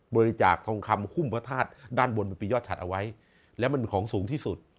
บริจาคทองคำหุ้มพระธาตุด้านบนเป็นปียอดฉัดเอาไว้แล้วมันของสูงที่สุด